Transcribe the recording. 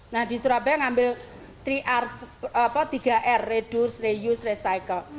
nah di surabaya ngambil tiga r reduce reuse recycle